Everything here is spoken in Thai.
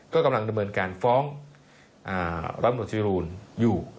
ก็กำลังดำเนินการฟ้องร้อยหมวดจรูนอยู่